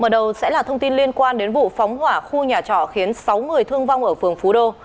mở đầu sẽ là thông tin liên quan đến vụ phóng hỏa khu nhà trọ khiến sáu người thương vong ở phường phú đô